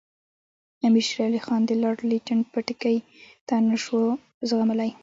امیر شېر علي خان د لارډ لیټن پټکې نه شو زغملای.